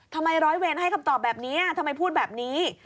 ร้อยเวรให้คำตอบแบบนี้ทำไมพูดแบบนี้